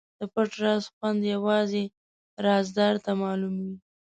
د پټ راز خوند یوازې رازدار ته معلوم وي.